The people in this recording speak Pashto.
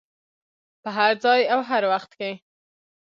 په هر ځای او هر وخت کې.